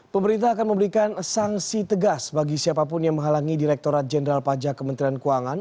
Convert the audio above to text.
pemerintah akan memberikan sanksi tegas bagi siapapun yang menghalangi direkturat jenderal pajak kementerian keuangan